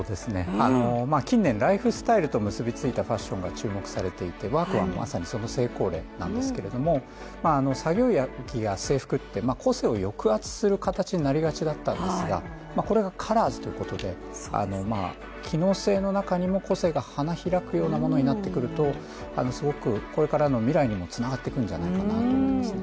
近年ライフスタイルと結びついたファッションが注目されていてワークマンはまさにその成功例なんですけど作業着や制服って個性を抑圧する形になりがちだったんですが、これがカラーズということで機能性の中にも個性が花開くようなものになってくるとすごくこれからの未来にもつながってくるんじゃないかなと思いますね。